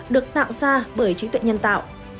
được tạo ra bởi trí tuệ nhân tạo